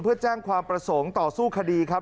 เพื่อแจ้งความประสงค์ต่อสู้คดีครับ